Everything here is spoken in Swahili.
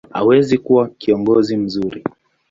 hawezi kuwa kiongozi mzuri.